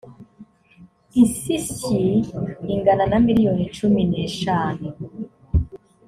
insishyi ingana na miliyoni cumi n eshanu